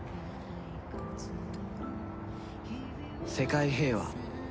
「世界平和。